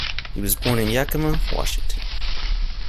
He was born in Yakima, Washington.